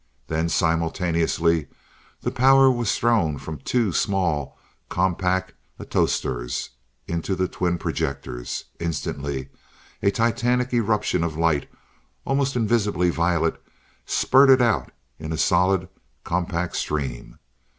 Then simultaneously the power was thrown from two small, compact atostors into the twin projectors. Instantly a titanic eruption of light almost invisibly violet, spurted out in a solid, compact stream.